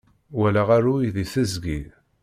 Walaɣ aruy di teẓgi.